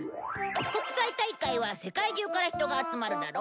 国際大会は世界中から人が集まるだろ？